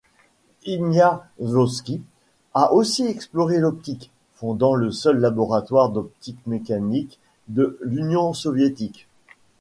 Ignatovski a aussi exploré l'optique, fondant le seul laboratoire d'optique mécanique de l'Union soviétique.